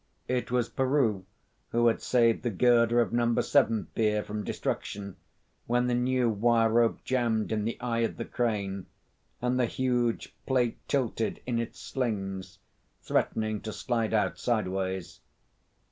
It was Peroo who had saved the girder of Number Seven pier from destruction when the new wire rope jammed in the eye of the crane, and the huge plate tilted in its slings, threatening to slide out sideways.